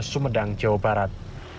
sumedang jawa barat